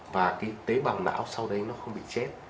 và cái tế bào não sau đấy nó không bị chết